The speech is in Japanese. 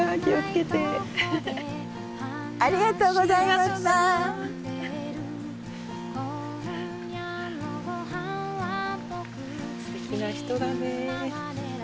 すてきな人だね。